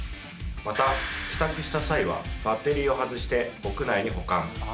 また帰宅した際はバッテリーを外して屋内に保管。